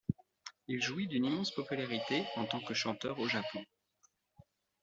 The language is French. Il jouit d'une immense popularité en tant que chanteur au Japon.